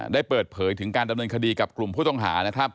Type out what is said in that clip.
ได้เปิดเผยถึงการดำเนินคดีกับกลุ่มผู้ต้องหานะครับ